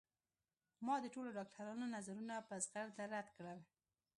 ما د ټولو ډاکترانو نظرونه په زغرده رد کړل